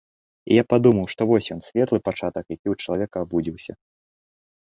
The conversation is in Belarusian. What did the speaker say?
І я падумаў, што вось ён, светлы пачатак, які ў чалавеку абудзіўся.